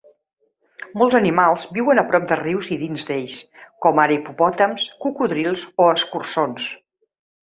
Molts animals viuen a prop de rius i dins d'ells, com ara hipopòtams, cocodrils o escurçons.